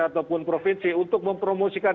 ataupun provinsi untuk mempromosikan